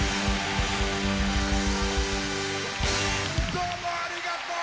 どうもありがとう！